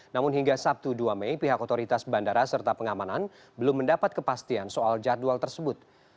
namun hingga sabtu dua mei pihak otoritas bandara serta pengamanan belum mendapat kepastian soal jadwal tersebut